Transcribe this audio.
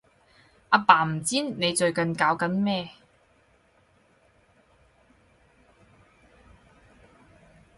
阿爸唔知你最近搞緊咩